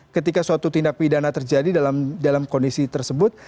ketika suatu tindak pidana terjadi dalam kondisi tersebut